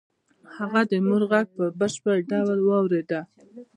هغه د مور غږ په بشپړ ډول واورېد